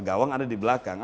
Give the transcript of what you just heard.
gawang ada di belakang